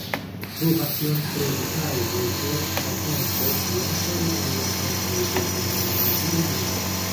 Pruvas tion trovitaĵoj el pratempo kaj ankaŭ el la tempoj de Grandmoravia regno.